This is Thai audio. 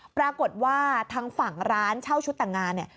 ปรากฏว่าทางฝั่งร้านเช่าชุดแต่งงานเนี่ย